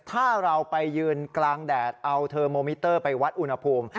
ถ้าเราไปยืนกลางแดดเอาเทอร์โมมิเตอร์ไปวัดอุณหภูมิ